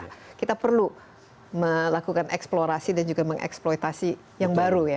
jadi kita perlu melakukan eksplorasi dan juga mengeksploitasi yang baru ya